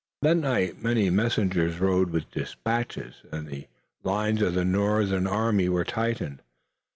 That night many messengers rode with dispatches, and the lines of the Northern army were tightened.